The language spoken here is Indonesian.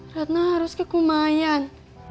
ratna harus ke kumayan